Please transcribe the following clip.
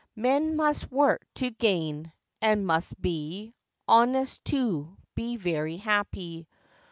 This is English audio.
Men must work to gain; and must be Honest, to be very happy.